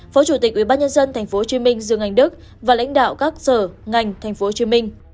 phó chủ tịch ủy ban nhân dân tp hcm dương anh đức và lãnh đạo các sở ngành tp hcm